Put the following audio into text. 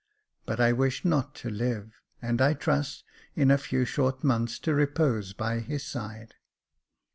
But I wish not to live : and I trust, in a few short months, to repose by his side."